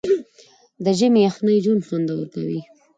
د ژمي یخنۍ ژوند خوندور کوي.